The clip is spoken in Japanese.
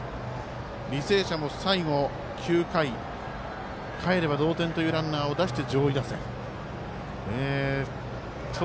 履正社も最後、９回かえれば同点というランナーを出して上位打線。